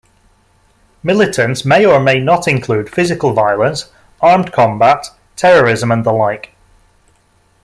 Militance may or may not include physical violence, armed combat, terrorism, and the like.